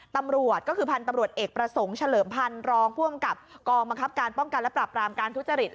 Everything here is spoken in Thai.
ตำรวจก็คือพันธุ์ตำรวจเอกประสงค์เฉลิมพันธ์รองผู้อำกับกองบังคับการป้องกันและปรับรามการทุจริต